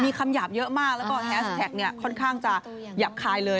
มีคำหยาบเยอะมากแล้วก็แฮสแท็กเนี่ยค่อนข้างจะหยาบคายเลย